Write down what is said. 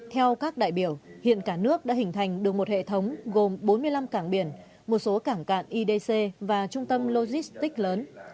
theo các đại biểu hiện cả nước đã hình thành được một hệ thống gồm bốn mươi năm cảng biển một số cảng cạn idc và trung tâm logistics lớn